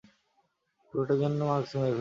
তুমি এটার জন্য মার্কসকে মেরে ফেললে।